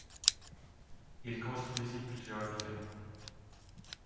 Il construisit plusieurs villas.